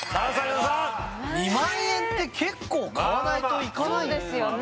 皆さん２万円って結構買わないといかない混んでますよね